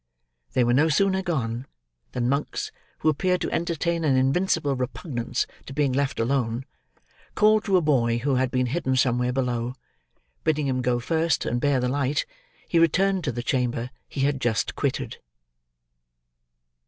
They were no sooner gone, than Monks, who appeared to entertain an invincible repugnance to being left alone, called to a boy who had been hidden somewhere below. Bidding him go first, and bear the light, he returned to the chamber he had just quitted.